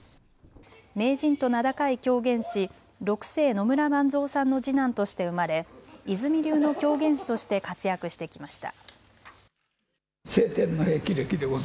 名人と名高い狂言師六世野村万蔵さんの次男として生まれ和泉流の狂言師として活躍してきました。